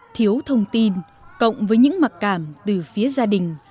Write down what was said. thiếu thông tin cộng với những mặc cảm từ phía gia đình